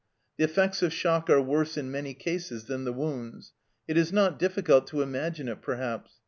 The effects of shock are worse in many cases than the wounds. It is not difficult to imagine it perhaps.